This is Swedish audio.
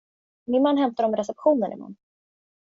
Min man hämtar dem i receptionen i morgon.